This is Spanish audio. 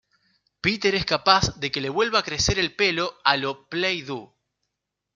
Peter es capaz de que le vuelva a crecer el pelo "a lo" Play-Doh.